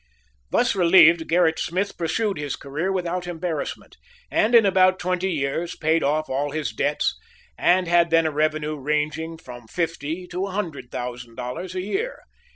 Thus relieved, Gerrit Smith pursued his career without embarrassment, and in about twenty years paid off all his debts, and had then a revenue ranging from fifty to a hundred thousand dollars a year.